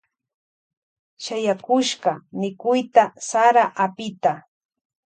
Shayakushka mikuyta sara apita.